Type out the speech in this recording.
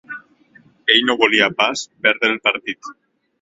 Ell no volia pas perdre el partit.